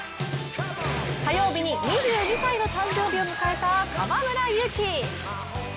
火曜日に２２歳の誕生日を迎えた河村勇輝。